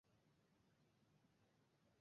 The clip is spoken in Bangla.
প্রধানত প্রাচ্যে তাঁকে শ্রদ্ধা করা হয়।